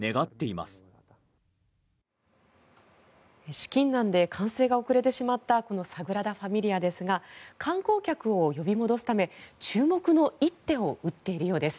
資金難で完成が遅れてしまったこのサグラダ・ファミリアですが観光客を呼び戻すため注目の一手を打っているようです。